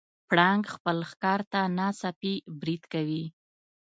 پړانګ خپل ښکار ته ناڅاپي برید کوي.